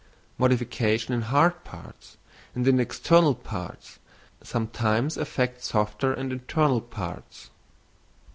Modifications in hard parts and in external parts sometimes affect softer and internal parts.